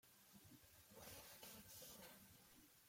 Vuela en China.